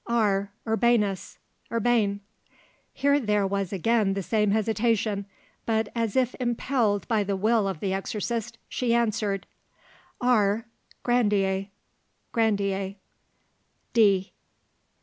R. Urbanus. Urbain. Here there was again the same hesitation, but as if impelled by the will of the exorcist she answered: R. Grandier. Grandier.